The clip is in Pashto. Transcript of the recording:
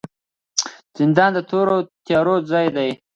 زندان د تورو تیارو ځای دی